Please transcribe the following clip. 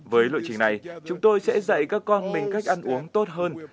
với lộ trình này chúng tôi sẽ dạy các con mình cách ăn uống tốt hơn